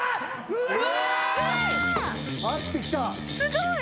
うわ！